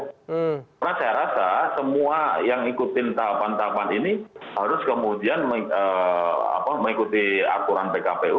karena saya rasa semua yang ikutin tahapan tahapan ini harus kemudian mengikuti aturan pkpu